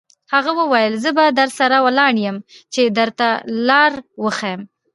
هغه وویل: زه به درسره ولاړ شم، چې درته لار وښیم.